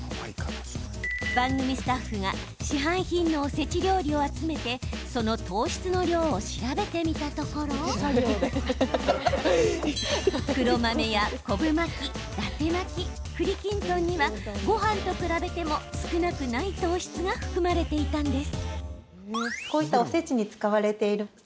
番組スタッフが市販品のおせち料理を集めてその糖質の量を調べてみたところ黒豆や昆布巻きだて巻き、栗きんとんにはごはんと比べても、少なくない糖質が含まれていたんです。